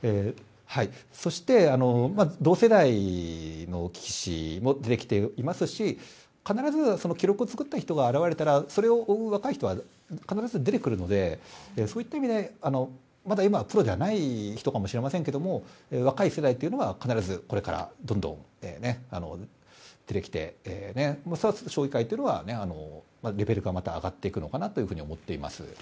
そして、同世代の棋士も出てきていますし必ず、記録が作った人が現れたらそれを追う若い人は必ず出てくるのでそういった意味でまだ今プロではない人かもしれませんが若い世代というのは必ずこれからどんどん出てきて、将棋界というのはレベルがまた上がっていくのかなと思っています。